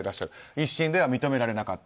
１審では認められなかった